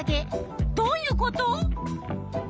どういうこと？